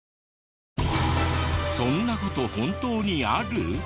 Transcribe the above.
そんなこと本当にある！？